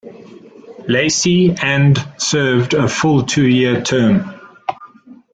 Lacy and served a full two-year term.